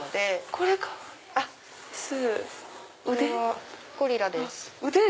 これはゴリラです。